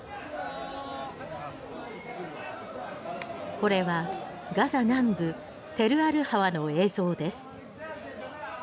これはガザ南部テルアルハワの映像です。